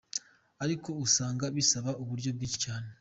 Ariko usanga bisaba uburyo bwinshi cane'.